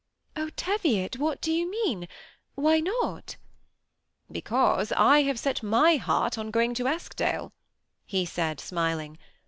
Oh, Teviot, what do you mean ? Why not ?"" Because I have set my heart on going to Eskdale," he said, smiling.